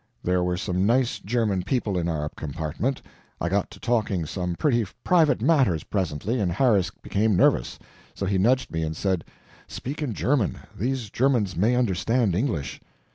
There were some nice German people in our compartment. I got to talking some pretty private matters presently, and Harris became nervous; so he nudged me and said: "Speak in German these Germans may understand English."